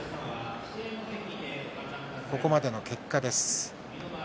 ここまでの結果です。